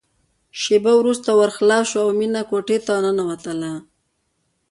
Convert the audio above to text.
شېبه وروسته ور خلاص شو او مينه کوټې ته ننوتله